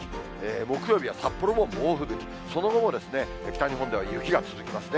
木曜日は札幌も猛吹雪、その後も北日本では雪が続きますね。